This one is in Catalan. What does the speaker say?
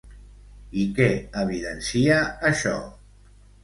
I què evidencia, això?